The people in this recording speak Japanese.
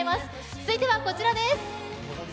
続いては、こちらです！